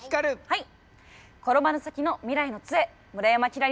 はい。